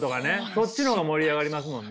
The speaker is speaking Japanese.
そっちの方が盛り上がりますもんね。